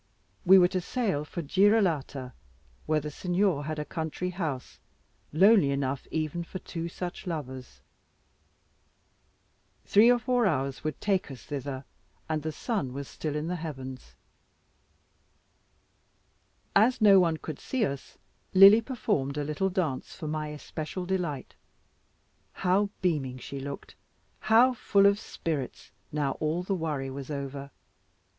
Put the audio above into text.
We were to sail for Girolata, where the Signor had a country house, lonely enough even for two such lovers. Three or four hours would take us thither, and the sun was still in the heavens. As no one now could see us, Lily performed a little dance for my especial delight. How beaming she looked, how full of spirits, now all the worry was over.